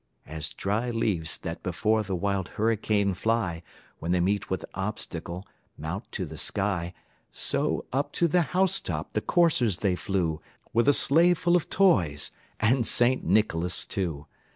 As dry leaves that before the wild hurricane fly, When they meet with an obstacle, mount to the sky, So, up to the house top the coursers they flew, With a sleigh full of toys and St. Nicholas too.